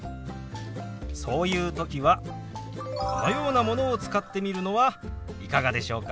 そういう時はこのようなものを使ってみるのはいかがでしょうか。